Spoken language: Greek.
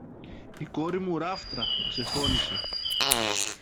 Η κόρη μου ράφτρα! ξεφώνισε.